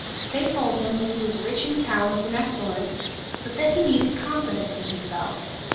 They told him, that he was rich in talents and excellence but that he needed confidence in himself.